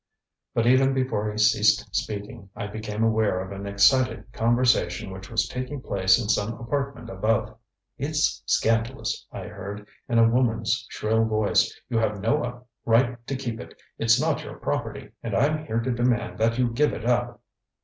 ŌĆØ But even before he ceased speaking I became aware of an excited conversation which was taking place in some apartment above. ŌĆ£It's scandalous! ŌĆØ I heard, in a woman's shrill voice. ŌĆ£You have no right to keep it! It's not your property, and I'm here to demand that you give it up.